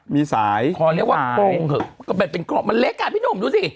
มีสายขอเรียกว่าโปร่งเขาแบบเป็นกรอบมันเล็กอ่ะพี่หนุ่มดูสิ